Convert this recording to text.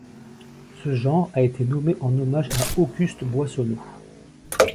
Ce genre a été nommé en hommage à Auguste Boissonneau.